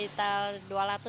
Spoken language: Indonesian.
bisa hari atau berapa